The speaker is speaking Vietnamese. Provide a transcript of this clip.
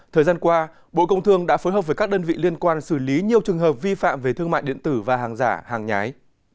thời gian qua bộ công thương đã phối hợp với các đơn vị liên quan xử lý nhiều trường hợp vi phạm về thương mại điện tử và hàng giả hàng nhái